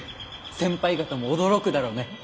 先輩方も驚くだろうね！